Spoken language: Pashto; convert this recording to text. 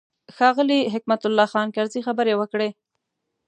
ښاغلي حکمت الله خان کرزي خبرې وکړې.